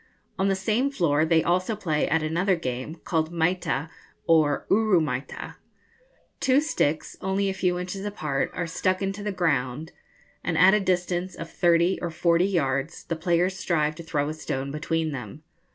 On the same floor they also play at another game, called maita, or uru maita. Two sticks, only a few inches apart, are stuck into the ground, and at a distance of thirty or forty yards the players strive to throw a stone between them.